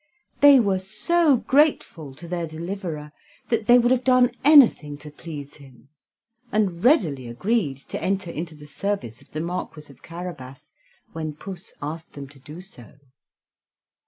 They were so grateful to their deliverer that they would have done anything to please him, and readily agreed to enter into the service of the Marquis of Carabas when Puss asked them to do so.